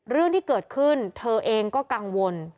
เรื่องที่เกิดขึ้นเธอเองก็กังวล